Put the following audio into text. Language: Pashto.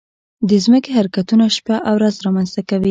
د ځمکې حرکتونه شپه او ورځ رامنځته کوي.